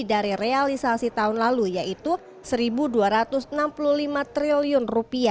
dari realisasi tahun lalu yaitu rp satu dua ratus enam puluh lima triliun